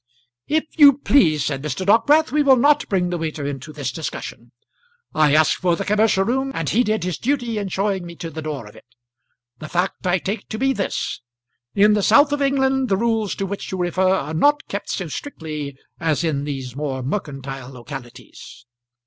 "If you please," said Mr. Dockwrath, "we will not bring the waiter into this discussion. I asked for the commercial room, and he did his duty in showing me to the door of it. The fact I take to be this; in the south of England the rules to which you refer are not kept so strictly as in these more mercantile localities."